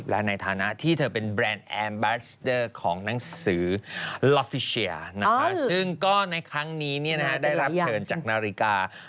ลาฟิเชียร์ซึ่งก็ในครั้งนี้ได้รับเชิญจากนาฬิกา